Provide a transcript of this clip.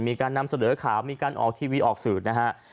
มีการนำเสนอข่าวมีการออกทีวีออกสื่อนะฮะ